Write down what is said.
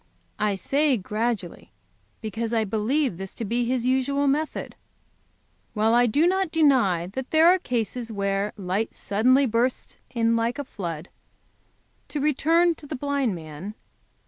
I say gradually, because I believe this to be His usual method, while I do not deny that there are cases where light suddenly bursts in like a flood. To return to the blind man.